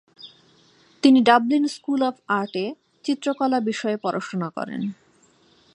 তিনি Dublin school of আর্টে চিত্রকলা বিষয়ে পড়াশোনা করেন।